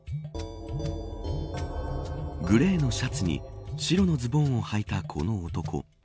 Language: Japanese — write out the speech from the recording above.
グレーのシャツに白のズボンをはいたこの男。